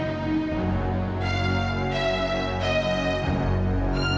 taufan aku ingin tahu